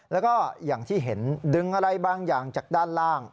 แล้วก็อย่างที่เห็นดึงอะไรบางอย่างจากด้านล่าง